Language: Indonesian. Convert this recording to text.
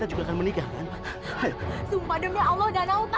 aku akan memaksa kamu wasila